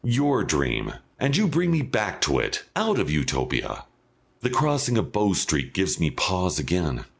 Your dream, and you bring me back to it out of Utopia " The crossing of Bow Street gives me pause again.